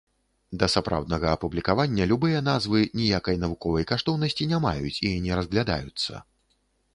Да сапраўднага апублікавання любыя назвы ніякай навуковай каштоўнасці не маюць і не разглядаюцца.